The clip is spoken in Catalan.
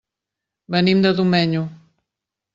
Venim de Domenyo.